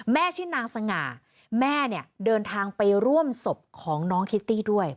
ชื่อนางสง่าแม่เนี่ยเดินทางไปร่วมศพของน้องคิตตี้ด้วย